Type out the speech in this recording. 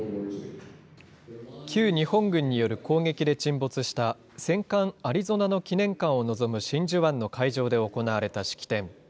旧日本軍による攻撃で沈没した戦艦アリゾナの記念館を望む真珠湾の会場で行われた式典。